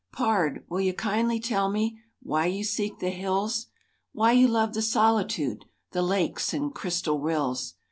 "Pard, will you kindly tell me Why you seek the hills, Why you love the solitude The lakes and crystal rills?